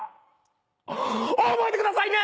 覚えてくださいね！